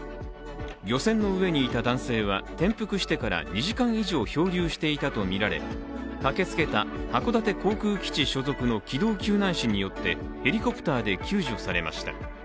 漁船の上にいた男性は転覆してから２時間以上漂流していたとみられ駆けつけた函館航空基地の機動救難士によってヘリコプターで救助されました。